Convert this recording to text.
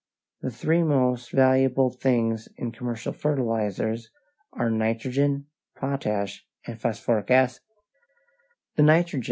The three most valuable things in commercial fertilizers are nitrogen, potash, and phosphoric acid.